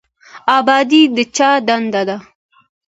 ابادي د چا دنده ده؟